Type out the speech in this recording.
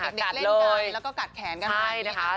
สนิ๊ยกัดกันฝูกเล่นกันแล้วก็ฝูกแกด